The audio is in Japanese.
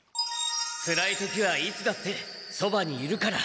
つらいときはいつだってそばにいるから。